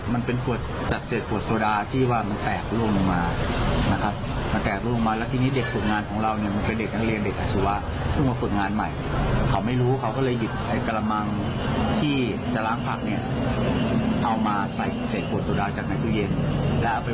แล้วเขาไม่ได้คุยกันคือครั้งนี้ครั้งนั้นคือผมไม่ได้สั่งเด็กไว้อ่ะ